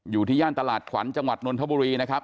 ย่านตลาดขวัญจังหวัดนนทบุรีนะครับ